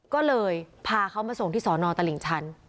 ก็เลยพาเขามาส่งที่สอนอตลิ่งชัน